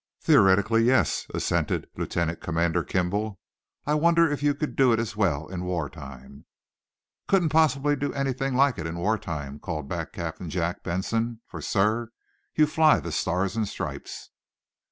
"Theoretically, yes," assented Lieutenant Commander Kimball. "I wonder if you could do it as well in war time?" "Couldn't possibly do anything like it in war time," called back Captain Jack Benson. "For, sir, you fly the Stars and, Stripes!"